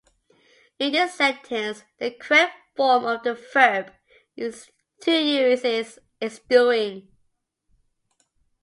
In this sentence, the correct form of the verb to use is "is doing."